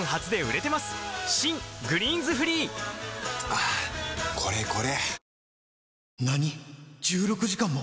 はぁこれこれ！